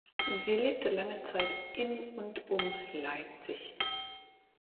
Sie lebte lange Zeit in und um Leipzig.